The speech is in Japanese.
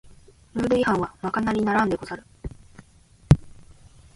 ルール違反はまかなりならんでござる